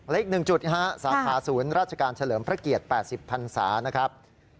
อีก๑จุดสาขาศูนย์ราชการเฉลิมพระเกียรติ๘๐พันศานะครับ